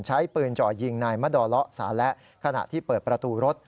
ใช้ปืนจ่อยิงนายมะดอเลาะสาและขณะที่เปิดประตูรถ